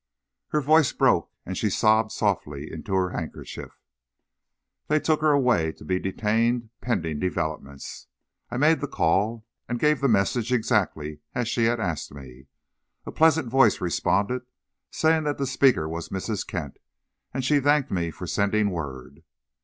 Her voice broke and she sobbed softly in her handkerchief. They took her away, to be detained pending developments. I made the call and gave the message exactly as she had asked me. A pleasant voice responded, saying the speaker was Mrs. Kent, and she thanked me for sending word.